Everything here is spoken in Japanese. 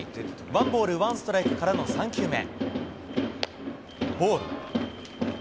ワンボール、ワンストライクからの３球目。